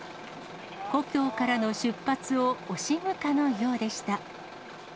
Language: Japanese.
故郷からの出発を惜しむかのようでした。